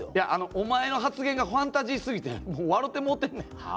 お前の発言がファンタジーすぎてわろてもうてんねん。